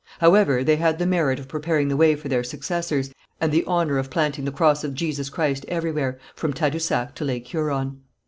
However they had the merit of preparing the way for their successors, and the honour of planting the cross of Jesus Christ everywhere, from Tadousac to Lake Huron.